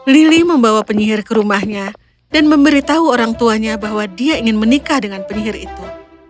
lili membawa penyihir ke rumahnya dan memberitahu orang tuanya bahwa dia ingin menikah dengan penyihir itu